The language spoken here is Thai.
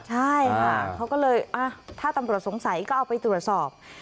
ใช่ค่ะเขาก็เลยถ้าตำรวจสงสัยก็เอาไปตรวจสอบ